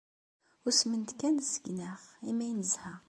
Usment kan seg-neɣ imi ay nezha.